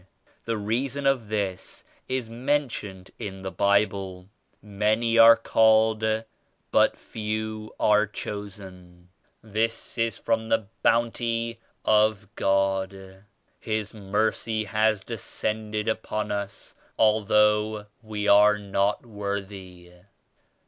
The reason of this is mentioned in the Bible, — 'Many are called, but few are chosen.' This is from the Bounty of God. His Mercy has descended upon us al though we are not worthy."